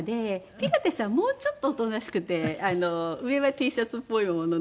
ピラティスはもうちょっとおとなしくて上はＴシャツっぽいものなんですが。